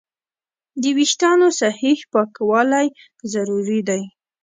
د وېښتیانو صحیح پاکوالی ضروري دی.